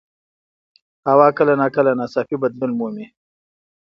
هوا کله ناکله ناڅاپي بدلون مومي